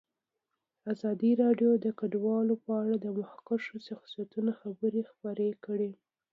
ازادي راډیو د کډوال په اړه د مخکښو شخصیتونو خبرې خپرې کړي.